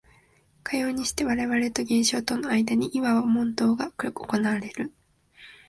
かようにして我々と現象との間にいわば問答が行われる。